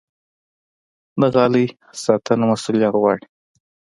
د غالۍ ساتنه مسوولیت غواړي.